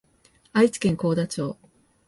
愛知県幸田町